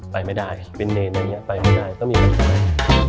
ไปไม่ได้เป็นเดรนอันนี้ไปไม่ได้ต้องอย่างนั้นก็ได้